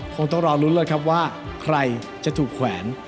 คงต้องรอลุ้นเลยครับว่าใครจะถูกแขวน